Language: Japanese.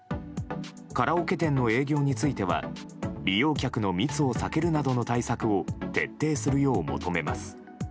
カラオケ店の営業については利用客の密を避けるなどの対策を徹底するよう求めます。